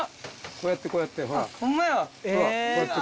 こうやってこうやってほら。